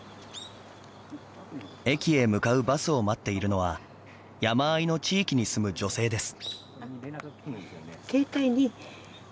駅へ向かうバスを待っているのは山あいの地域に住む女性です。